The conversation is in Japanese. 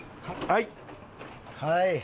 はい。